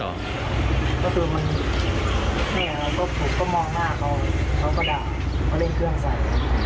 เราก็มองหน้าเขาเขาก็ด่าเขาเล่นเครื่องใส่